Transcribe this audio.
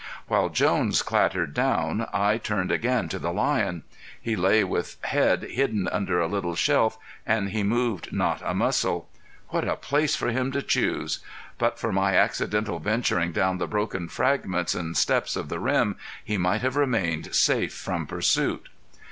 While Jones clattered down I turned again to the lion. He lay with head hidden under a little shelf and he moved not a muscle. What a place for him to choose! But for my accidental venturing down the broken fragments and steps of the rim he could have remained safe from pursuit.